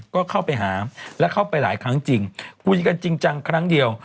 ก็เข้าไปหาและเข้าไปหลายครั้งจริงคุยกันจริงจังครั้งเดียว